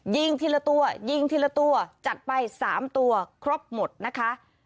ยิงทีละตัวยิงทีละตัวจัดไป๓ตัวครบหมดนะคะ